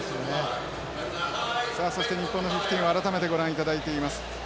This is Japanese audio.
さあそして日本のフィフティーンを改めてご覧いただいています。